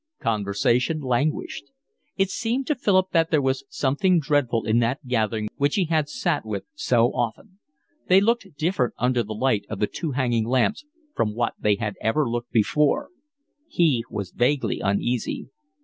Conversation languished. It seemed to Philip that there was something dreadful in that gathering which he had sat with so often; they looked different under the light of the two hanging lamps from what they had ever looked before; he was vaguely uneasy.